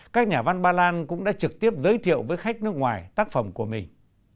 các nhà văn ba lan cũng đã trực tiếp giới thiệu với khách nước ngoài tác phẩm của mình